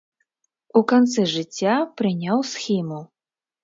У канцы жыцця прыняў схіму.